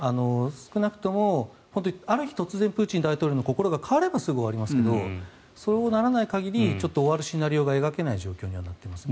少なくともある日突然プーチン大統領の心が変わればすぐに終わりますけどそうならない限り終わるシナリオが描けない状況になっていますね。